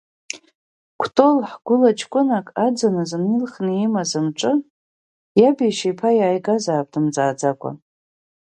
Кәтол, ҳгәыла ҷкәынак аӡын азын илхны имаз амҿы, иаб иашьа иԥа иааигазаап, дымҵааӡакәа.